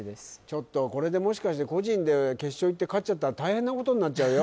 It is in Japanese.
ちょっとこれでもしかして個人で決勝いって勝っちゃったら大変なことになっちゃうよ？